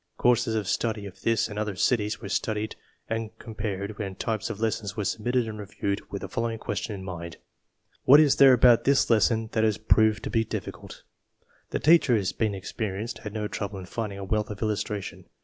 Courses of study of this and other cities were studied and com pared and types of lessons were submitted and reviewed with the following question in mind: "What is there about this lesson that has proved to be difficult?" The teachers, being experienced, had no trouble in finding a wealth of illustration.